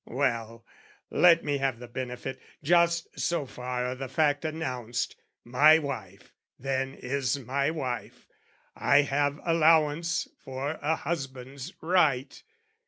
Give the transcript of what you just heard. Well, let me have the benefit, just so far, O' the fact announced, my wife then is my wife, I have allowance for a husband's right.